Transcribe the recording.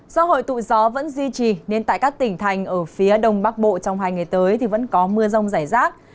do hội tụ gió vẫn duy trì nên tại các tỉnh thành ở phía đông bắc bộ trong hai ngày tới thì vẫn có mưa rông rải rác